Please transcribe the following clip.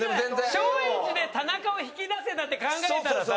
松陰寺で田中を引き出せたって考えたらさ。